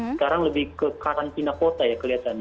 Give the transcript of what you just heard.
sekarang lebih ke karantina kota ya kelihatannya